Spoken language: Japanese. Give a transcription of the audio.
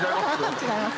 違います。